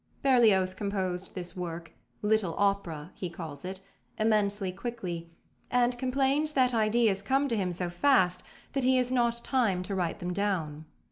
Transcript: Berlioz composed this work, "little opera" he calls it, immensely quickly, and complains that ideas come to him so fast that he has not time to write them down.